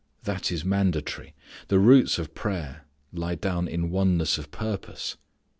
That is mandatory. The roots of prayer lie down in oneness of purpose.